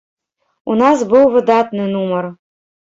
У нас быў выдатны нумар.